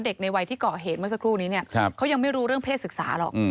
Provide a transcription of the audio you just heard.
ในวัยที่ก่อเหตุเมื่อสักครู่นี้เนี่ยเขายังไม่รู้เรื่องเพศศึกษาหรอก